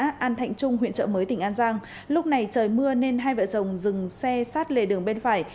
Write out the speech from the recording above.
ở khu vực xã an thạnh trung huyện trợ mới tỉnh an giang lúc này trời mưa nên hai vợ chồng dừng xe sát lề đường bên phải